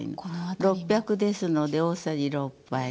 ６００ですので大さじ６杯ね。